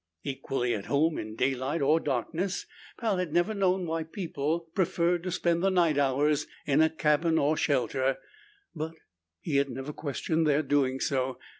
Equally at home in daylight or darkness, Pal had never known why people preferred to spend the night hours in a cabin or shelter but he had never questioned their doing so.